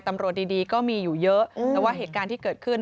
ตำรวจดีก็มีอยู่เยอะแต่ว่าเหตุการณ์ที่เกิดขึ้น